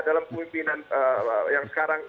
dalam pemimpinan yang sekarang